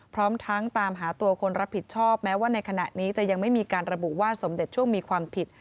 พร้อมทั้งตามหาตัวคนรับผิดชอบแม้ว่าในขณะนี้จะยังไม่มีการระบุว่าสมเด็จช่วงมีความผิด